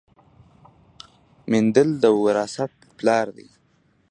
مندل د وراثت پلار دی